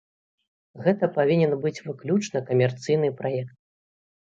Гэта павінен быць выключна камерцыйны праект.